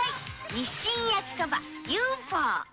日清焼そばＵ．Ｆ．Ｏ．。